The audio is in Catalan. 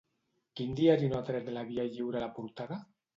Quin diari no ha tret la Via Lliure a la portada?